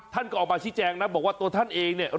ท่านก็ออกมาชี้แจงนะบอกว่าตัวท่านเองเนี่ย